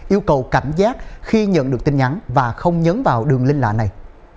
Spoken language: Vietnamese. yêu cầu cảnh giác khi nhận được tin nhắn và không nhấn vào đường link lạ này